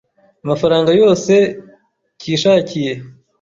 amafaranga yose cyishakiye!